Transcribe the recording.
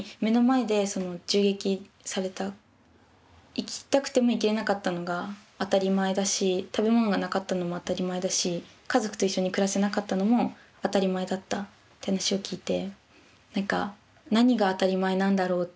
生きたくても生きれなかったのが当たり前だし食べ物がなかったのも当たり前だし家族と一緒に暮らせなかったのも当たり前だったって話を聞いて。